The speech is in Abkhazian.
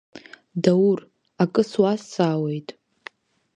Даур, акы суазҵаауеит…